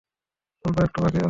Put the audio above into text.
অল্প একটু বাকি আছে।